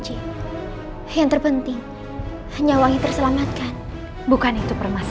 jaga dewa batara dari mana kau mendapatkan pusaka roda emas